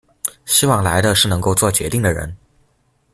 希望來的是能夠作決定的人